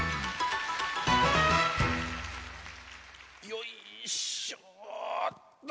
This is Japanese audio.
よいしょっと。